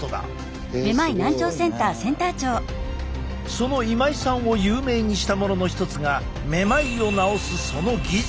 その今井さんを有名にしたものの一つがめまいを治すその技術。